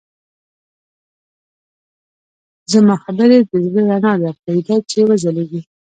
زما خبرې د زړه رڼا ده، پرېږده چې وځلېږي.